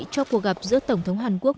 cho cuộc gặp giữa tổng thống hàn quốc